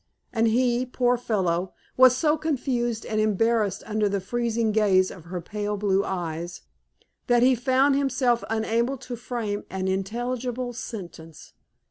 And he, poor fellow, was so confused and embarrassed under the freezing gaze of her pale blue eyes, that he found himself unable to frame an intelligible sentence.